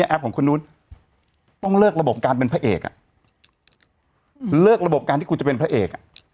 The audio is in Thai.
แอปของคุณนุษย์ต้องเลิกระบบการเป็นพระเอกอ่ะเลิกระบบการที่คุณจะเป็นพระเอก